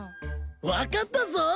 分かったぞ！